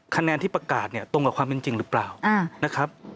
คะแนนที่ประกาศเนี่ยตรงกับความเป็นจริงหรือเปล่านะครับ